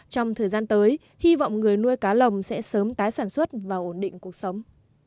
trong thời gian tới hy vọng người nuôi cá lồng sẽ sớm tái sản xuất và ổn định cuộc sống